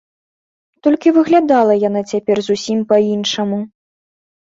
Толькі выглядала яна цяпер зусім па-іншаму.